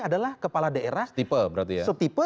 adalah kepala daerah setipe